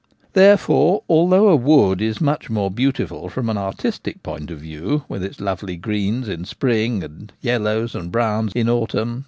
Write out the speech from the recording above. Therefore, although a wood is much more beautiful from an artistic point of view, with its lovely greens in spring and yellow and browns in autumn.